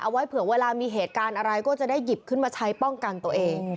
ไว้เผื่อเวลามีเหตุการณ์อะไรก็จะได้หยิบขึ้นมาใช้ป้องกันตัวเอง